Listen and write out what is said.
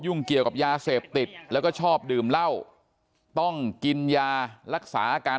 เกี่ยวกับยาเสพติดแล้วก็ชอบดื่มเหล้าต้องกินยารักษาอาการ